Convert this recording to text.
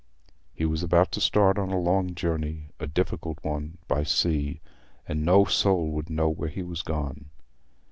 He was about to start on a long journey—a difficult one—by sea—and no soul would know where he was gone.